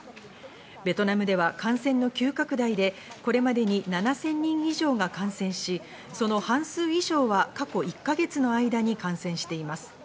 ベトナムでは感染の急拡大でこれまでに７０００人以上が感染し、その半数以上は過去１か月の間に感染しています。